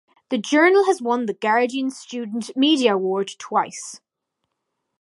The journal has won the Guardian Student Media Award twice.